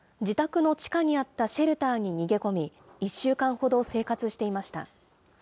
自宅の地下にあったシェルターに逃げ込み、１週間ほど生活していました。